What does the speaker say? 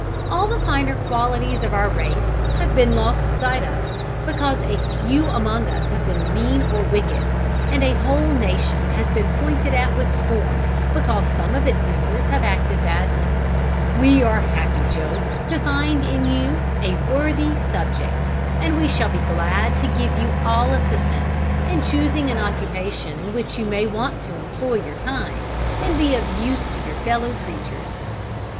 All the finer qualities of our race have been lost sight of, because a few among us have been mean or wicked; and a whole nation has been pointed at with scorn, because some of its members have acted badly. We are happy, Job, to find in you a 'worthy subject,' and we shall be glad to give you all assistance in choosing an occupation in which you may employ your time, and be of use to your fellow creatures."